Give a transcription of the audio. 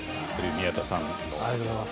宮田さんの。